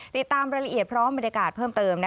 ติดตามรายละเอียดพร้อมบรรยากาศเพิ่มเติม